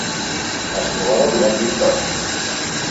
Es trobava al llac Victòria.